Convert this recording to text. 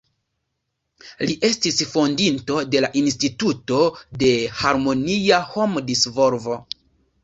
Li estis fondinto de la Instituto de Harmonia Hom-Disvolvo.